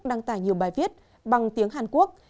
đăng tải nhiều bài viết bằng tiếng hàn quốc